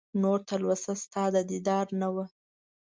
نور تلوسه ستا د دیدار نه وه